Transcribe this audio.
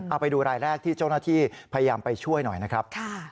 เอาไปดูรายแรกที่เจ้าหน้าที่พยายามไปช่วยหน่อยนะครับ